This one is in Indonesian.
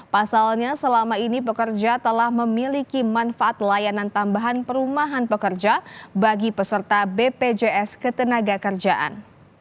pasalnya selama ini pekerja telah memiliki manfaat layanan tambahan perumahan pekerja bagi peserta bpjs ketenaga kerjaan